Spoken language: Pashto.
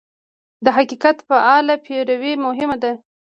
د حقیقت فعاله پیروي مهمه ده.